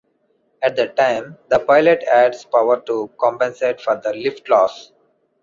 At that time the pilot adds power to compensate for the lift loss.